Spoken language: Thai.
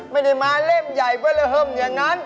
ไม่ได้มาเล่มใหญ่เวลาเหิมอย่างนั้น